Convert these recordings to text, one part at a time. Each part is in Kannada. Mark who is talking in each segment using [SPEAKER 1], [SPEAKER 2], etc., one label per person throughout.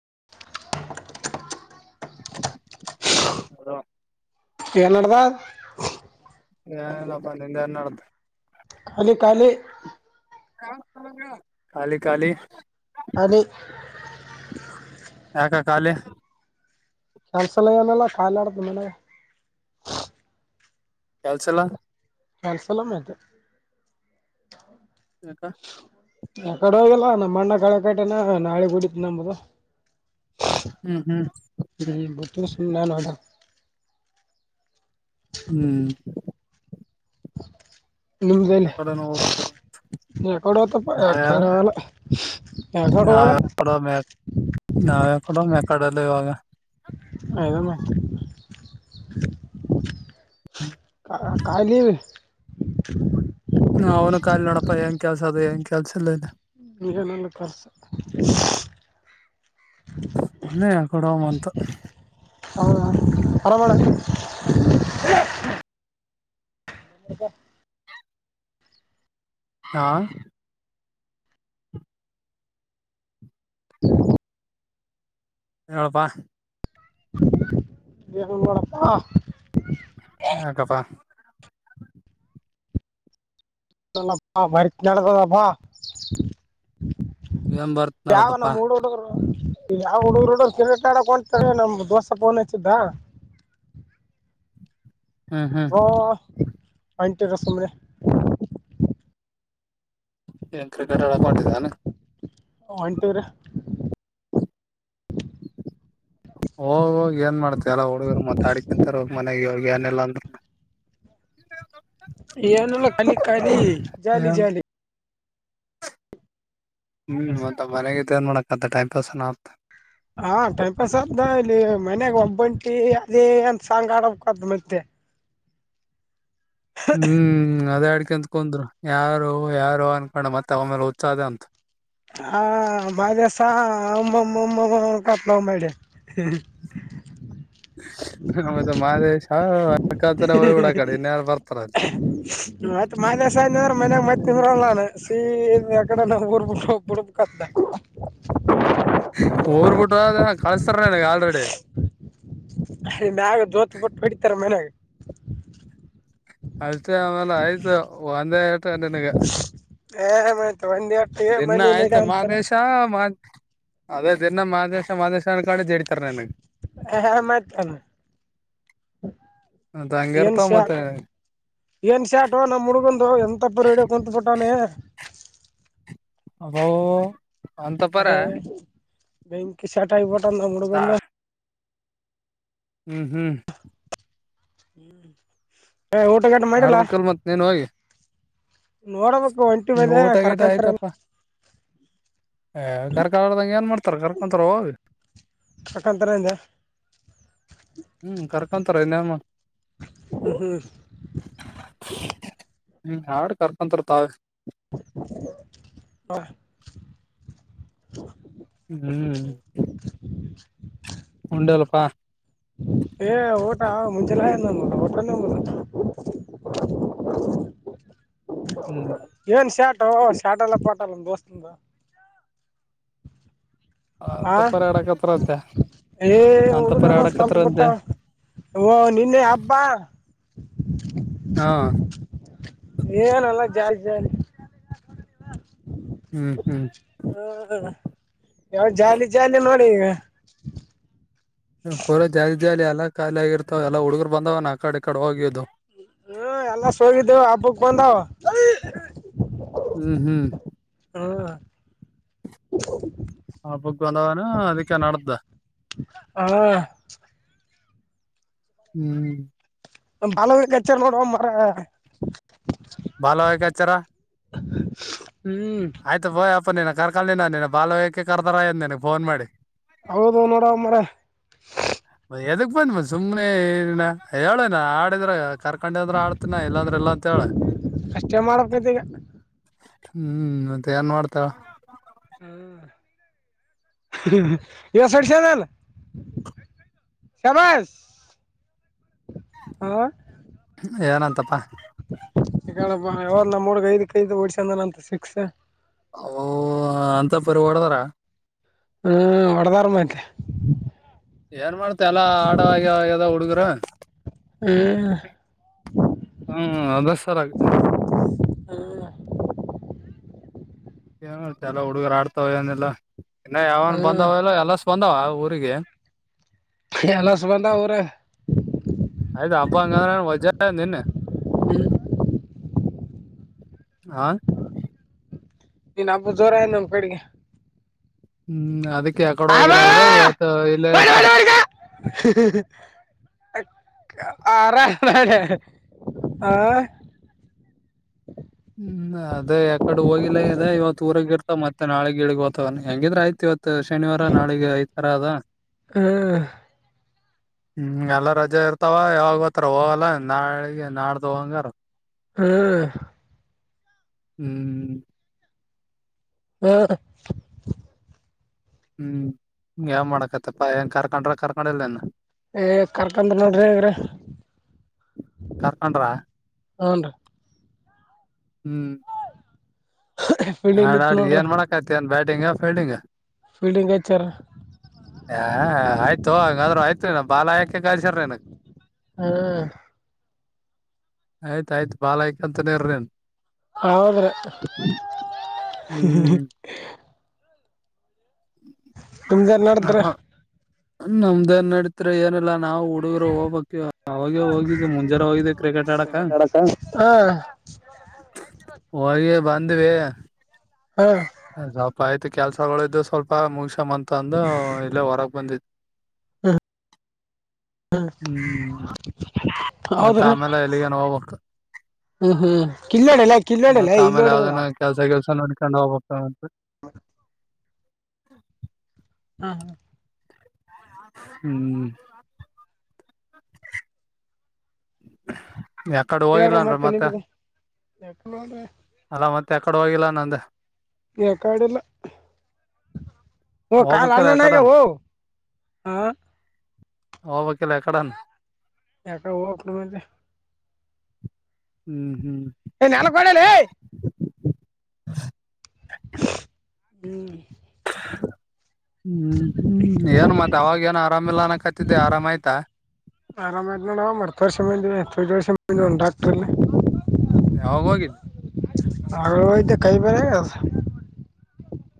[SPEAKER 1] [inaudible]
[SPEAKER 2] ಹೋ
[SPEAKER 1] ಏನಡದಾ
[SPEAKER 2] ಹಲ್ಲ ಪನ್ನಂದರ
[SPEAKER 1] ಕಾಲಿ ಕಾಲಿ
[SPEAKER 2] ಖಾಲಿ ಖಾಲಿ
[SPEAKER 1] ಅನ
[SPEAKER 2] ಯಾಕ ಖಾಲಿ
[SPEAKER 1] ಕೆಲ್ಸಲ ನಲ್ಲ ಕಾಯಿಲಾಡ್ದ ಮಲೆ
[SPEAKER 2] ಕೆಲ್ಸಲ್ಲ
[SPEAKER 1] ಅಲ್ಸಲೇತ
[SPEAKER 2] ಹಕ್ಕ
[SPEAKER 1] ಯ ಕಡೆ ಹೋಗಲ್ಲ ನಮ್ಮ ಅಣ್ಣ ಕಳೆ ಕಟನ ನಾಳೆ ಗೂಡತ್ ನಮ್ಮದು
[SPEAKER 2] ಹ್ಮ್ ಹ್ಮ್
[SPEAKER 1] ನೀ ನ ನೋದು
[SPEAKER 2] ಹ್ಮ್
[SPEAKER 1] ನಿಮ್ದಲ್ಲ
[SPEAKER 2] ಯಕಡೆ ಹೋಗ್ಬೇಕ
[SPEAKER 1] ನ ಕೊಡತ್ತಪ್ಪ
[SPEAKER 2] ನಾವ
[SPEAKER 1] ಯಳ
[SPEAKER 2] ನಾವ
[SPEAKER 1] ಹಟವಾಗ
[SPEAKER 2] ಕೊಡ ನಾವೇ ಕೊಡ ಮೆ ಕಡೆಲ್ಲ ಇವಾಗ
[SPEAKER 1] ಇದು ಮತ್ತೆ [inaudible] ಹ ಕಾಯ ಇ
[SPEAKER 2] ಅವ್ನು ಕಾಲ ನಡಪಾ ಹೆಂಗ ಕೆಲ್ಸ ಅದು ಹೆಂಗ ಕೆಲ್ಸ ಇಲ್ಲ ಇಲ್ಲ
[SPEAKER 1] ಇಗೆಾನಲ್ಲ ಪರ್ಸ
[SPEAKER 2] ಇಲ್ಲೇ ಕೊಡಮ್ಮ ಅಂತ
[SPEAKER 1] ಹೌ ಅರ ಮಾಡಳ
[SPEAKER 2] ಹ್ಮ್
[SPEAKER 1] ಹೌದ
[SPEAKER 2] ಹಾ ಎಳಪ್ಪ
[SPEAKER 1] ದ ಬ
[SPEAKER 2] ಹ ಗಪ್ಪಾ
[SPEAKER 1] ಪ್ಪ ವರಿತತದಪ್ಪಾ
[SPEAKER 2] ಏನ್ ಬರ್ತ್
[SPEAKER 1] ಯಾವ ನ
[SPEAKER 2] ನಡದಪ್ಪಾ
[SPEAKER 1] ಮೂಡ ಹಡುರು ಇ ಯಾವ ಹುಡುರು ಹಡೋರು ಕಿರಟ ಆಡಕ್ಂತಾರೆ ನಮ ದೋಸ ಪೋನ್ ಹಚ್ಚಿದ್ದ
[SPEAKER 2] ಹ್ಮ್ ಹ್ಮ್
[SPEAKER 1] ಹ ಪಿಟ ರಸೆ
[SPEAKER 2] ಏನ್ ಕ್ರಿಕೆಟ್ ಹೇಳಕ್ ಹೊಟ್ಟಿದಾನ
[SPEAKER 1] ಒಂಟರ
[SPEAKER 2] ಹೋಗ ಹೋಗಿ ಏನ್ ಮಾಡ್ತ ಎಲ್ಲ ಹುಡುಗರು ಮ ಅಡಿಕಿಂತೋಗ ಮನೆಗೆ ಹೋಗ ಯನ್ನೆಲ್ಲಾಂತ
[SPEAKER 1] ಏನಲ್ಲ ಕಲಿ ಕಲಿಿ ಜಾಲಿ
[SPEAKER 2] ಏನ್
[SPEAKER 1] ಜಾಲಿ
[SPEAKER 2] ಹ್ಮ್ ಮತ್ತ ಮನೆಗೆೇನ್ ಮಾಡಕತ್ತ ಟೈಮ್ ಪಸ್ನ ಆತ್ತ
[SPEAKER 1] ಹಾ ಟೈಮ್ ಪಾಸ್ ಆದ್ದ ಇಲ್ಲಿ ಮನ್ಯಾಗ ಒಂದ್ಬಂಟಿ ಅದೇ ಅಂತ ಸಾಂಗ್ ಆಡಬೇಕಾದ ಮತ್ತೆ
[SPEAKER 2] ಹ್ಮ್ ಅದೇ ಆಡ್ ಂತಕಂದ್ರು ಯಾರು ಯಾರು ಅನ್ಕೊಂಡ ಮತ್ತೆ ಅವ ಮೇಲೆ ಉತ್ಸಾಹ ಅಂತ
[SPEAKER 1] ಹಾ ಬಾಜೆ ಸಾ ಕಾಪಳ ಮಾಡ [inaudible]
[SPEAKER 2] ನ ಮತ್ತ ಮಾದೇಶ
[SPEAKER 1] [inaudible]
[SPEAKER 2] ಅನ್ಕಂತಾನೆ ಹೋಗ್ಬಿಡ ಕಡೆ ಇನ್ಯಾರು ಬರ್ತಾರ ಅಲ್ಲಿ
[SPEAKER 1] ಮತ್ತತ್ ಮಾನೆಾಯಜಂದ್ರ ಮನ್ಯಾಗ ಮತ್ತ್ ತಿಂದ್ರಲ್ಲ ನಾನು ಸೀ ಯಕಡೆ ನ ಬ ಬರ ಕ
[SPEAKER 2] ಹಊರ್ಬಿಟ್ಟು ಅದ ಕಳಸ್ತಾರ ನನಗೆ ಆಲ್ರೆಡಿ
[SPEAKER 1] ಮಾಗ ಜೋತ್ ಬಿಟ್ಟ ಬಿಡತಾರ ಮನ್ಯಾಗ
[SPEAKER 2] ಅಷ್ಟೇ ಆಮೇಲೆ ಆಯ್ತು ಒಂದೇ ಎಟ ಗಟಿನಗ
[SPEAKER 1] ಹ ಮ್ತ್ು ಒಂದಿ ಅ ಮನಿನ್ಗ
[SPEAKER 2] ಆಯ್ತು
[SPEAKER 1] ಅಂತಾರ
[SPEAKER 2] ಮಾದೇಶ ಮಾ ಅದೇ ದಿನ ಮಾದೇಶ ಮಾದೇಶ ಅನ್ಕೊಂಡೆ ಜಡಿತಾರ ನನಗ್
[SPEAKER 1] ಹಾ ಮಾತಾನ
[SPEAKER 2] ದಂಗಗೆರ್ತಾವ ಮತ್ತ
[SPEAKER 1] ಏನ್ ಸ್ಯಾಟ ನಮ್ಮ್ ಮುುಗಂದು ಎಂತ ಪರಿ ರೇಡಿಯ ಕುಂತ್ಬುಟ್ಟಾನ
[SPEAKER 2] ಅಬೋ ಅಂತಪರ
[SPEAKER 1] ಹ ಬೆಂಕಿಸಟ ಇಪಟ
[SPEAKER 2] ಅಂತ
[SPEAKER 1] ಮಡಗಂಧ
[SPEAKER 2] ಹ್ಮ್ ಹ್ಮ್
[SPEAKER 1] ಹ್ಮ್ ಏ ಊಟಗಾಟ ಮಾಡಿಲ್ಲ
[SPEAKER 2] ಆಡ್ಬೇಕಲ್ ಮತ್ ನೀನ್ ಹೋಗಿ
[SPEAKER 1] ನೋಡಬೇಕು ಒಂಟು ಮದ
[SPEAKER 2] ಊಟ ಗೀಟ
[SPEAKER 1] ಕರ್ಕೊಂತರ
[SPEAKER 2] ಕರ್ಕಾಲ್ದಂಗಗೆ ಏನ್ ಮಾಡ್ತಾರ ಕರ್ಕೊಂತಾರ ಅವೋಗ
[SPEAKER 1] ಕರ್ಕಂತಾರ ಅಂದೆ
[SPEAKER 2] ಹ್ಮ್ ಕರ್ಕೊಂತಾರ ಇನ್ನಮ್ಮ
[SPEAKER 1] ಹ್ಮ್ ಹ್ಮ್.
[SPEAKER 2] ಹ್ಮ ಹಾಡ್ ಕರ್ಕೊಂತರ್ ತಗ
[SPEAKER 1] ಹಾ
[SPEAKER 2] ಹ್ಮ್ ಉಂಡಲ್ಪ
[SPEAKER 1] ಏ ಊಟ ಮುಂಜೆಲ್ಲ ನ ಊಟ ನುದ
[SPEAKER 2] ಹ್ಮ್
[SPEAKER 1] ಇವನ್ ಶ್ಯಾಟ್ ಪ ಶಾಟಲ್ಲ ಪಟಾಲ ದೋಸ್ತಿಂದ ಹ
[SPEAKER 2] ಅಂತಪರಿ ಆಡಕತ್ತರಂತೆ
[SPEAKER 1] ಏ ಒದು
[SPEAKER 2] ಅಂತಪರಿ
[SPEAKER 1] ನಮ್ಮ ಸ್ಂತಪಟ್ಟ
[SPEAKER 2] ಆಡಕತ್ತರಂತೆ
[SPEAKER 1] ಓ ನಿನ್ನೆ ಹಬ್ಬಾ
[SPEAKER 2] ಹಾ
[SPEAKER 1] ಏನಲ್ಲ ಜಾಸ್ ಜಾರಿಿ
[SPEAKER 2] ಹ್ಮ್ ಹ್ಮ್
[SPEAKER 1] ಹ್ಮ್ ಯಾವ ಜಾಲಿ ಜಾಲಿ ನೋಡಿ ಈಗ
[SPEAKER 2] ಪೂರ ಜಾಲಿ ಜಾಲಿ ಎಲ್ಲ ಖಾಲಿ ಆಗಿರ್ತಾವ ಎಲ್ಲಾ ಹುಡುಗರು ಬಂದವ ನ ಆ ಕಡೆ ಕಡೆ ಹೋಗದು
[SPEAKER 1] ಹ್ಮ ಎಲ್ಲ ಸ ಹೋಗಿದ್ದೇವು ಹಬ್ಬಕ್ ಬಂದಾವ
[SPEAKER 2] ಹ್ಮ್ ಹ್ಮ್
[SPEAKER 1] ಹೌ
[SPEAKER 2] ಹ ಬಗ ಬಂದವಾನ ಅದಕ್ಕೆ ನಡ್ದ
[SPEAKER 1] ಹಾ
[SPEAKER 2] ಹ್ಮ್
[SPEAKER 1] ಬಾಲಚರ್ ನೋಡುವ ಮರ
[SPEAKER 2] ಬಾಲವಾಯ್ಕಚಾರ
[SPEAKER 1] ಹ್ಮ್
[SPEAKER 2] ಆಯ್ತು ಬೋಯ್ ಅಪ್ಪ ನೀ ಕರ್ಕಲ್ಿನ ಬಾಯಹಕಕ್ಕೆ ಕರ್ದಾರಏನ್ ನನ್ ಫೋನ್ ಮಾಡಿ
[SPEAKER 1] ಹೌದು ನೋಡ ಮರ
[SPEAKER 2] ಎದಕ್ ಬಂದ್ ಮ ಸುಮ್ನೆ ನ ಹೇಳಣ ಆಡಿದ್ರ ಕರ್ಕೊಂಡ ಅಂದ್ರ ಆಡ್ತಿನ ಇಲ್ಲಾಂದ್ರೆ ಇಲ್ಲಾ ಅಂತ ಹೇಳ
[SPEAKER 1] ಅಷ್ಟೇ ಮಾಡ್ಬೇಕೈತಿ ಈಗ
[SPEAKER 2] ಹ್ಮ್ ಮತ್ತೆ ಏನ್ ಮಾಡ್ತಾವ
[SPEAKER 1] ಹ್ಮ ಯ ಸಡ್ಶದಲ್ಲ ಶಾಮಾಜ ಹ
[SPEAKER 2] ಏನಂತಪ್ಪ
[SPEAKER 1] ಈಗ ಅವವ್ರ ನಮ್ಮ್ಡ್ಗ ಐದ್ ಕೈದು ಹೊಡ್ಸಂದನ ಅಂತ ಸಿಕ್ಸ
[SPEAKER 2] ಅಂತ ಪರಿ ಹೊಡದಾರ
[SPEAKER 1] ಹ್ಮ್ ವಡದಾರ ಮಾತ್ತೆ
[SPEAKER 2] ಏನ್ ಮಾಡ್ತ ಎಲ್ಲಾ ಆಡ ಆಗ್ಯದ ಹುಡುಗರು
[SPEAKER 1] ಹ್ಮ್
[SPEAKER 2] ಹ್ಮ ಅದ ಸರ್
[SPEAKER 1] ಹ್ಮ
[SPEAKER 2] ಏನ್ ಎಲ್ಲಾ ಹುಡುಗರ ಆಡ್ತಾವ ಏನಲ್ಲ ಇನ್ನ ಯಾವನ್ ಬಂದಾವ
[SPEAKER 1] ಹ್ಮ್
[SPEAKER 2] ಎಲ್ಲ ಎಲ್ಲ ಬಂದಾವ ಊರಿಗೆ
[SPEAKER 1] ಎಲ್ಲ ಸಂಬಂಧ ಅವಊರ
[SPEAKER 2] ಅ ಅಂಗ ವಜ ನಿನ್ನೆ
[SPEAKER 1] ಹ್ಮ
[SPEAKER 2] ಹ
[SPEAKER 1] ನೀನ್ ಹಬ್ಬ ಜವರ ನಮ್ ಕಡೆಗೆ
[SPEAKER 2] ಹ್ಮ್ ಅದಕ್ಕೆ ಯ ಕಡ
[SPEAKER 1] ಆ
[SPEAKER 2] ಹೋಗಲ್ಲ ಇದೆ ಇವತ್ತು ಇಲ್ಲೇ ಇರ್ತಾರ
[SPEAKER 1] ಅ ಆರ ಆ
[SPEAKER 2] ಹ್ಮ್ ಅದೇ ಯಕಡೆ ಹೋಗಿಲ್ಲ ಇದೆ ಇವತ್ತು ಊರಗ ಇರ್ತ ಮತ್ತೆ ನಾಳೆ ಗೀಳಗ್ ಹತವ ಹೆಂಗಿದ್ರೆ ಆಯ್ತ ಇವತ್ತು ಶನಿವಾರ ನಾಳಿಗೆ ಐ್ ತರ ಅದ
[SPEAKER 1] ಹಾ
[SPEAKER 2] ಹ್ಮ್ ಎಲ್ಲ ರಜೆ ಇರ್ತಾವ ಯಾವಾಗ ಬತ್ರ ಹೋಗಲ್ಲ ನಾಳಿಗೆ ನಾಡ್ದ ಹಂಗಾರ
[SPEAKER 1] ಹ್ಮ
[SPEAKER 2] ಹ್ಮ್ ಹ್ಮ್
[SPEAKER 1] ಹ್ಮ
[SPEAKER 2] ಹ್ಮ್ ಯಾವ್ ಮಾಡಕತ್ತಪ್ಪ ಹೆಂಗ ಕರ್ಕೊಂಡ್ರ ಕರ್ಕೊಂಡಲ್ನ
[SPEAKER 1] ಏ ಕರ್ಕಂದ್ರ ನೋಡ್ರಿ ಅಗ್ರಿ
[SPEAKER 2] ಕಾರ್ಕಂಡ್ರ ಹ್ಮ್
[SPEAKER 1] ಫೀಲ್ಡಿಂಗ್ ನಿತ್
[SPEAKER 2] ಹಾಡಾಡ
[SPEAKER 1] ನೋಡ್ರಿ
[SPEAKER 2] ಏನ್ೋಕ ಆತಿ ಅಏನ್ ಬ ಫೀಲ್ಡಿಂಗ್
[SPEAKER 1] ಫೀಲ್ಡಿಂಗ್ ಹಚ್ಚಾರ
[SPEAKER 2] ಆಯ್ತು ಹಾಗಾದ್ರ ಆಯ್ತ ನ ಬಾಲಯಾಕೆ ಗಾಸಾರ್ರ ನನಕ್
[SPEAKER 1] ಹ್ಮ
[SPEAKER 2] ಆಯ್ತಾಯ್ತು ಬಾ ಯಕಂತನರನ್
[SPEAKER 1] ಹೌದ್ರೆ
[SPEAKER 2] ಹ್ಮ್
[SPEAKER 1] ನಿಮ್ದೇ ನಡಿದ್ರೆ
[SPEAKER 2] ನಮ್ದ ಏನ್ ನಡೀತ್ರಿ ಏನಲ್ಲ ನಾವು ಹುಡುಗರು ಹೋಗ್ಬಕ್ ಅವಾಗೆ ಹೋಗಿದ್ದೆ ಮುಂಜಾರೆ ಹೋಗಿದ್ದೆ ಕ್ರಿಕೆಟ್ ಆಡಕ
[SPEAKER 1] ಮಾತಾಡಕ ಹಾ
[SPEAKER 2] ವಹ ಬ ಂದ್ವಿ
[SPEAKER 1] ಹಾ
[SPEAKER 2] ಸ್ವಲ್ಪ ಆಯ್ತು ಕೆಲ್ಸಗಳು ಇದು ಸ್ವಲ್ಪ ಮುಗಸ ಮ ತಂದು ಇಲ್ಲೇ ಹೊರಗೆ ಬಂದಿತ್ತು ಹ್ಮ್್ಮ ಮತ್ತತ್
[SPEAKER 1] ಹೌದ್ರಿ
[SPEAKER 2] ಆಮೇಲೆ ಎಲ್ಲಿಗೆನ್ ಹೋಗ್ೋಗ್ತ
[SPEAKER 1] ಹ್ಮ್ ಹ್ಮ್ ಕಿಲ್ಲೋಡೆಲ್ಲ ಕಿಲ್ಲೋಡೆಲ್ಲ ಇಲ್ಲೋಡೆಲ್ಲ ನ
[SPEAKER 2] ೋದ ನ ಹೋಗತ
[SPEAKER 1] ಹ
[SPEAKER 2] ಹ್ಮ
[SPEAKER 1] ಹಾ ಹಾ
[SPEAKER 2] ಹ್ಮ್ ಯಕಡು
[SPEAKER 1] ಹೇಳ್ರಿ
[SPEAKER 2] ಹೋಗಿಲ್ಲನ್ರ ಮತ್ತೆ
[SPEAKER 1] ನಿಮ್ಗೆ ಯಾಕ ನೋಡ್ರಿ
[SPEAKER 2] ಅಲ್ಲ ಮತ್ತೆ ಯ ಪಡವಾಗಿಲ್ಲ ನಂದ
[SPEAKER 1] ಯ ಕಡೆಲ್ಲ ಕ ಅ್ಣ
[SPEAKER 2] ಹೋಗ್ಬೇಕಿಲ್ಲ
[SPEAKER 1] ನ ಗ
[SPEAKER 2] ಯಕಡನ್
[SPEAKER 1] ಹ ಹಾ
[SPEAKER 2] ಹಬಕಲ ಎಕಡಾನ
[SPEAKER 1] ಯಕನ ಮ
[SPEAKER 2] ಹ್ಮ್ ಹ್ಮ್
[SPEAKER 1] ಏನ್ಾನ ಕೊಡಲಿ
[SPEAKER 2] [unintelligible]
[SPEAKER 1] ಹ್ಮ್
[SPEAKER 2] [unintelligible] ಹ್ಮ್ ಹ್ಮ್ ಏನ್ ಮತ್ತೆ ಅವಾಗ ಏನು ಆರಾಮಿಲ್ಲ ಅನ ಕತ್ತಿದ್ದೆ ಆರಾಮ ಆಯ್ತಾ
[SPEAKER 1] ಆರಾಮನ ಮರು ವರ್ಷ ಮ ಎ ವರ್ಷ ಉಾಕ್ತ
[SPEAKER 2] ಯಾವಾಗ ಹೋಗಿದ್ದ
[SPEAKER 1] ಹ ತ ಕೈ ಬಾರ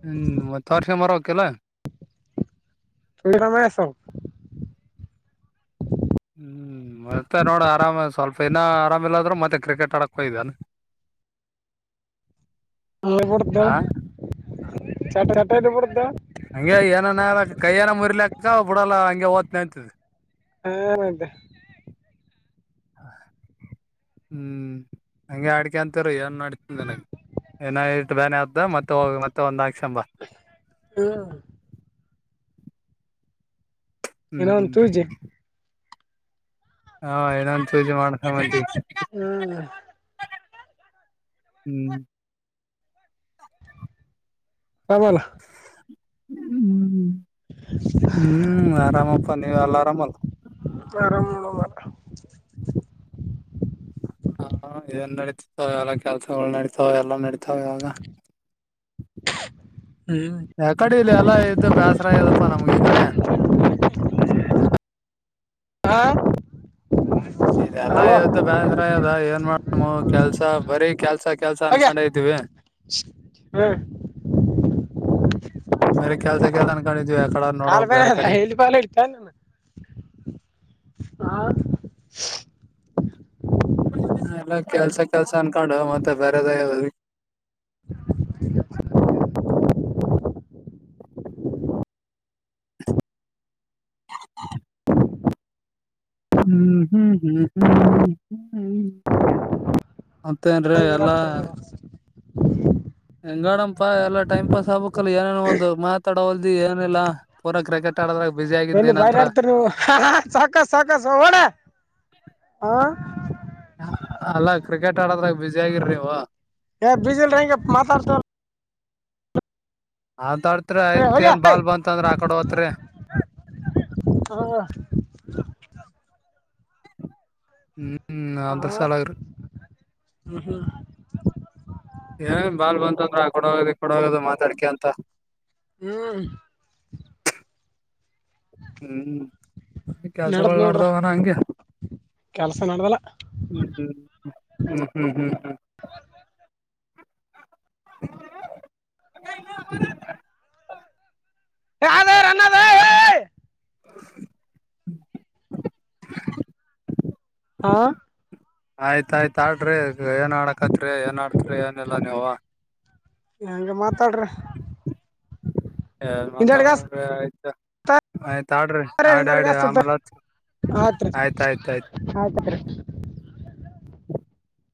[SPEAKER 2] ಹ್ಮ್ ಮತ್ತ ವರ್ಷ ಮರಕ್ಕೆಲ್ಲ..
[SPEAKER 1] ತುಂಬಿ ನಾಮೇ ಸೊ..
[SPEAKER 2] ಹ್ಮ್ ಮತ್ತೆ ನೋಡಿ ಆರಾಮ ಸ್ವಲ್ಪ ಇನ್ನೂ ಆರಾಮ ಇಿಲ್ಲದ್ರು ಮತ್ತೆ ಕ್ರಿಕೆಟ್ ಆಡಕ್ ಹಯ್ದಾನ..
[SPEAKER 1] ಹ ಬಡ್ತ
[SPEAKER 2] ಆ
[SPEAKER 1] ಚ ಚ ಇ ಬಡ್..
[SPEAKER 2] ಹಂಗೆ ಏನನ ಕೈಯ್ಯಏನ ಮುರ್ಲಿಕ್ಕ ಬಿಡಲ್ಲ ಹಂಗೆ ಓದ್ನ ಅಂತದ..
[SPEAKER 1] ಹಾ ಆ್ದ.
[SPEAKER 2] ಹ್ಮ್ ಹಂಗೆ ಅಡ್ಕೆ ಅಂತಾರ ಏನ್ ಮಾಡಡ್ತ ನನಗೆ.. ಏನ ಇಟ್ಟು ಬೇನೆ ಅ್ದ ಮತ್ತೆ ಹೋಗ ಮತ್ತೆ ಒಂದ..
[SPEAKER 1] ಹ್ಮ..
[SPEAKER 2] ಹ್ಮ್ ಹ್ಮ್..
[SPEAKER 1] ಇನ್ನೊಂದ್ ತೂಜಿ
[SPEAKER 2] ಹಾ ಏನನ್ ಪೂಜೆ ಮಾಡ್ಕೊಂಡಂಬದಿ
[SPEAKER 1] ಹ್ಮ
[SPEAKER 2] ಹ್ಮ್
[SPEAKER 1] ಹಮಲ
[SPEAKER 2] ಹ್ಮ ಹ್ಮ್ ಆರಾಮಪ್ಪ ನೀ ಅಲರಾಮಲ್ಲ..
[SPEAKER 1] ಆರಾಮ ಮ..
[SPEAKER 2] ಹಾ ಇದನ್ ನಡತಿತ ಎಲ್ಲ ಕೆಲ್ಸಗಳು ನಡತಾವ ಎಲ್ಲಾ ನಡತ.. ಥಾಗ..
[SPEAKER 1] ಹ್ಮ್
[SPEAKER 2] ಯ ಕಡೆ ಇಲ್ಲಿ ಎಲ್ಲ ಇದ್ದ ಬೇಸರ ಅದಪ್ಪಾ ನಮ್ಗೆ ಈ ಕಡೆ..
[SPEAKER 1] ಹಾ..
[SPEAKER 2] ಇದೆಲ್ಲಾ
[SPEAKER 1] ಹಲೋ
[SPEAKER 2] ಯದ್ದ ಬಸರದ ಏನ್ ಮಾಡ ಕೆಲ್ಸ ಬರೀ ಕೆಲ್ಸ ಕೆಲ್ಸ ಅನ್ಕ.. ಕಂಡ ಇದ್ದೀವಿ..
[SPEAKER 1] ಹಾ..
[SPEAKER 2] ಬೇರೆ ಕೆಲ್ಸ ಕೆಲ್ಸ ಅನ್ಕೊಂಡಿದ್ವಿ ಯಕಡ
[SPEAKER 1] ಕಾಲ್
[SPEAKER 2] ನೋಡ್ಬಕ್
[SPEAKER 1] ಬ
[SPEAKER 2] ಬೇರೆ ಕಡೆ
[SPEAKER 1] ಅದ ಇಪಾಲ ಇಡ್ತ ನಾನು.. ಹಾ..
[SPEAKER 2] ಎಲ್ಲ ಕೆಲ್ಸ ಕೆಲ್ಸ ಅನ್ಕೊಂಡು ಮತ್ತೆ ಬೇರೆದದ.. ಹ್ಮ್ ಹ್ಮ್ ಹ್ಮ್ ಹ್ಮ್ ಹ್ಮ ಹ್ಮ ಹ್ಮ.. ತ್ತ ಅಂದ್ರೆ
[SPEAKER 1] ಹಂಗೆ
[SPEAKER 2] ಎಲ್ಲಾ..
[SPEAKER 1] ಆಡ್ತಾರ ನೀವು
[SPEAKER 2] ಹೆಂಗಡಪಾ ಎಲ್ಲ ಟೈಮ್ ಪಾಸ್ ಆಗ್ಬೇಕಕ್ಲ್ಲ ಏನೇನೋ ಒಂದು ಮಾತಾಡ.. ಲ್ದಿ ಏನಿಲ್ಲ ಪೂರ ಕ್ರಿಕೆಟ್.. ಆಡದ್ರಾಗ ಬಿಸಿ
[SPEAKER 1] ಬೆನ್ನಿ ಬಯ
[SPEAKER 2] ಆಗಿದ್ನೇನಂತ್ರ
[SPEAKER 1] ಆಡ್ತರಿ ನೀವು ಸಾಕು ಸಾಕಸ್ ಡ ಹ.
[SPEAKER 2] ಅಲ್ಲಾ ಕ್ರಿಕೆಟ್ ಆಡದ್ರಾಗ ಬಸಿ ಆಗಿರ ನೀವು..
[SPEAKER 1] ಏ ಬೀಜಿಲ್ರ ಹೆಂಗೆ ಮಾತಾಡ್ತ..
[SPEAKER 2] ಅಂತಾಡ್ತ್ರಿ ಆಯ್ತ್
[SPEAKER 1] ಹೋಗ್ಯ
[SPEAKER 2] ಏನ್ ಬಾಲ್
[SPEAKER 1] ಹಾ
[SPEAKER 2] ಬಂತಂದ್ರ ಆಕಡೆ ಹೋತ್ರಿ..
[SPEAKER 1] ಹ.
[SPEAKER 2] ಹ್ಮ್ ಅದ್ರ ಸಾಲಗ್ರಿ..
[SPEAKER 1] ಹ್ಮ ಹ್ಮ..
[SPEAKER 2] ಏ ಬಾಲ್ ಬಂತಂದ್ರ ಆ ಕೊಡೋಗದ ಕೊಡೋಗದು ಮಾತಾಡ್ಕ ಅಂತ..
[SPEAKER 1] ಹ್ಮ್..
[SPEAKER 2] ಹ್ಮ್
[SPEAKER 1] ನಡ್ದ್
[SPEAKER 2] ಕೆಲ್ಸಗಳು
[SPEAKER 1] ನೋಡ್ರಿ
[SPEAKER 2] ನೋಡ್ದಾವನ ಹಂಗೆ..
[SPEAKER 1] ಕೆಲ್ಸ ಮಾಡ್ದಲ್ಲ..
[SPEAKER 2] ಹ್ಮ್ ಹ್ಮ್ ಹ್ಮ್ ಹ್ಮ್ ಹ್ಮ್ ಹ್ಮ್..
[SPEAKER 1] [inaudible]
[SPEAKER 2] [inaudible]
[SPEAKER 1] ಯದ ಅನ್ನದ..
[SPEAKER 2] [inaudible] ಹ.
[SPEAKER 1] ಹಾ..
[SPEAKER 2] ಹಾಕತ್ರಿ ಏನ್ ಆಡ್ತ್ರಿ ಏನಲ್ಲಾ ನೀವ..
[SPEAKER 1] ಹಗೆ ಮಾತಾಡ್ರ..
[SPEAKER 2] ಎ ಮಾತಾಡನ್ರಿ ಆಯ್ತ ಆಯ್ತ ಆಡ್ರಿ ಆಡ
[SPEAKER 1] ಹಿಂದೆಡ್
[SPEAKER 2] ಆಡಿ
[SPEAKER 1] ಗಾಸ್ ಸುಟ್ಟ
[SPEAKER 2] ಆಮೇಲೆತ್
[SPEAKER 1] ಆತ್ರಿ ಆಯ್ತ್ರಿ